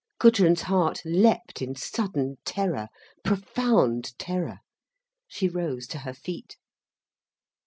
Gudrun's heart leapt in sudden terror, profound terror. She rose to her feet.